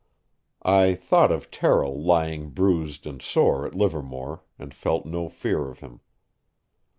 I thought of Terrill lying bruised and sore at Livermore, and felt no fear of him.